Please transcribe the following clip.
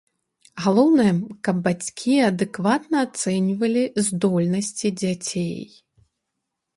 Галоўнае, каб бацькі адэкватна ацэньвалі здольнасці дзяцей.